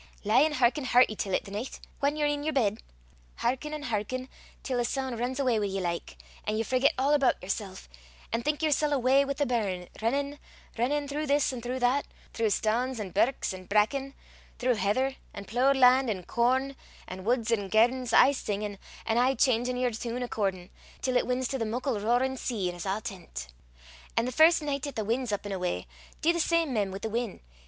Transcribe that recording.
Lie an' hearken herty till 't the nicht, whan ye're i' yer bed; hearken an' hearken till the soon' rins awa wi' ye like, an' ye forget a' aboot yersel', an' think yersel' awa wi' the burn, rinnin', rinnin', throu' this an' throu' that, throu' stanes an' birks an' bracken, throu' heather, an' plooed lan' an' corn, an' wuds an' gairdens, aye singin', an' aye cheengin' yer tune accordin', till it wins to the muckle roarin' sea, an' 's a' tint. An' the first nicht 'at the win' 's up an' awa, dee the same, mem, wi' the win'.